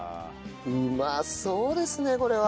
うまそうですねこれは。